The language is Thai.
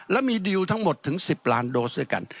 และมีดีลทั้งหมดถึง๑๐ล้านโดสด้วยกัน